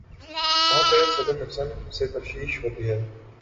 وہاں پہ صدر نکسن سے تفتیش ہوتی ہے۔